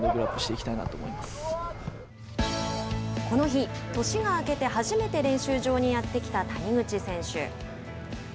この日、年が明けて初めて練習場にやってきた谷口選手。